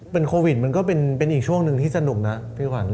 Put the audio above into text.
เป็นโควิดมันก็เป็นอีกช่วงหนึ่งที่สนุกนะพี่ขวัญ